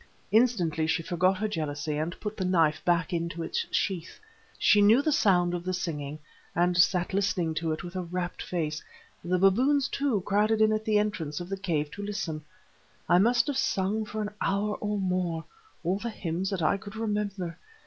Instantly she forgot her jealousy and put the knife back into its sheath. She knew the sound of the singing, and sat listening to it with a rapt face; the baboons, too, crowded in at the entrance of the cave to listen. I must have sung for an hour or more, all the hymns that I could remember.